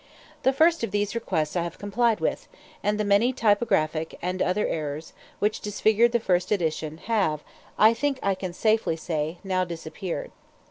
The first of these requests I have complied with, and the many typographic, and other errors, which disfigured the first edition, have, I think I can safely say, now disappeared.